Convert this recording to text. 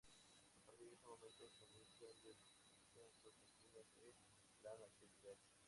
A partir de ese momento se inicia un descenso continuo de la natalidad.